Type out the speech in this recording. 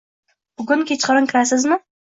Bugun kechqurun kirasizmi